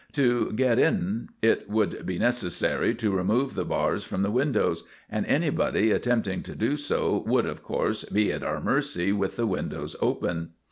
To get in it would be necessary to remove the bars from the windows, and anybody attempting to do so would, of course, be at our mercy with the windows open.